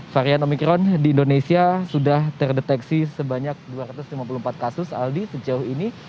varian omikron di indonesia sudah terdeteksi sebanyak dua ratus lima puluh empat kasus aldi sejauh ini